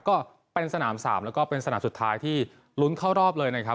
ก็เป็นสนาม๓แล้วก็เป็นสนามสุดท้ายที่ลุ้นเข้ารอบเลยนะครับ